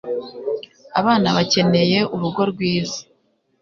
Abana bakeneye urugo rwiza.